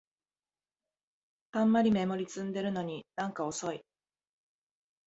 たんまりメモリ積んでるのになんか遅い